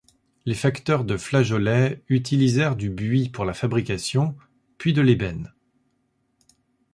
Les facteurs de flageolets utilisèrent du buis pour la fabrication, puis de l’ébène.